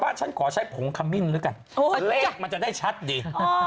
บ้านฉันขอใช้ผงคามิ้นด้วยกันเลขมันจะได้ชัดดีอ๋อ